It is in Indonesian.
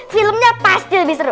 filmnya pasti lebih seru